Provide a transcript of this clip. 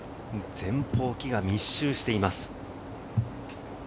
前方、木が密集しています。